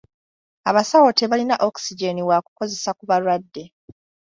Abasawo tebalina Oxygen wa kukozesa ku balwadde.